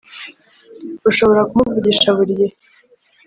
Ushobora kumuvugisha buri gihe